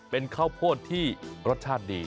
เป็นข้าวโพดที่รสชาติดี